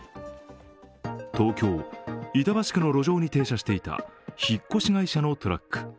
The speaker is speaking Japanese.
東京・板橋区の路上に停車していた引っ越し会社のトラック。